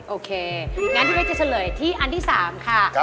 โอเคงั้นพี่เป๊กจะเฉลยที่อันที่๓ค่ะ